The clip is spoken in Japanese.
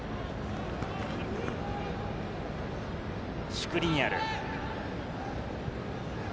シュクリニアル。